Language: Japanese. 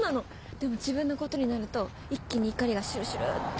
でも自分のことになると一気に怒りがシュルシュルって。